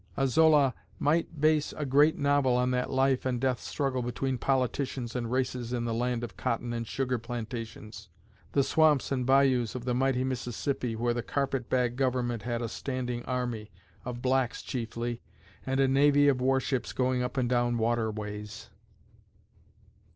A Zola might base a great novel on that life and death struggle between politicians and races in the land of cotton and sugar plantations, the swamps and bayous of the mighty Mississippi, where the Carpet Bag Government had a standing army, of blacks, chiefly, and a navy of warships going up and down waterways."